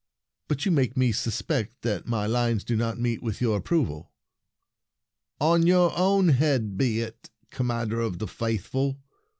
But you make me suspect that my lines do not meet with your approval." "On your own head be it, Commander of the Faithful!